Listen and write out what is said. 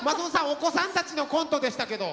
お子さんたちのコントでしたけど。